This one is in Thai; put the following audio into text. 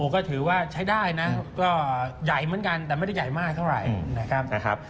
ก็ถือว่าใช้ได้นะก็ใหญ่เหมือนกันแต่ไม่ได้ใหญ่มากเท่าไหร่นะครับ